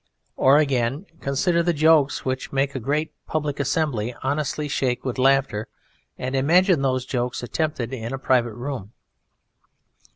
Or again, consider the jokes which make a great public assembly honestly shake with laughter, and imagine those jokes attempted in a private room!